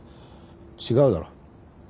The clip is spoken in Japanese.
違うだろ。